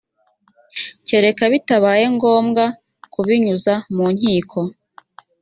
kereka bitabaye ngombwa kubinyuza mu nkiko